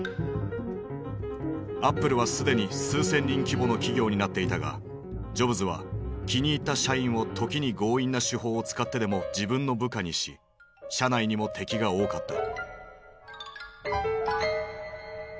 アップルはすでに数千人規模の企業になっていたがジョブズは気に入った社員を時に強引な手法を使ってでも自分の部下にし社内にも敵が多かった。